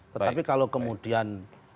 tetapi kalau kemudian